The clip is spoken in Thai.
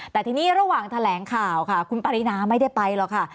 แต่ทีนี้ระหว่างแถลงข่าวค่ะคุณปรินาไม่ได้ไปหรอกค่ะ